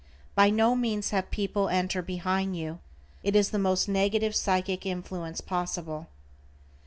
By no means have people enter behind you, it is the most negative psychic influence possible.